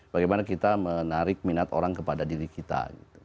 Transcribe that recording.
bagaimana menarik orang kepada diri kita